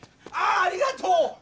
ああありがとう！